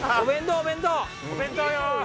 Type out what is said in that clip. お弁当よ！